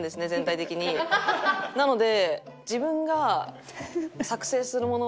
なので。